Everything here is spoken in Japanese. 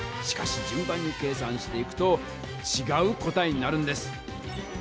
しかしじゅん番に計算していくとちがう答えになるんです！